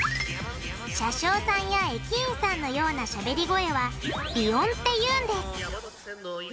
車掌さんや駅員さんのようなしゃべり声は「鼻音」って言うんです。